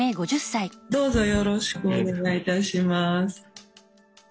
どうぞよろしくお願い致します。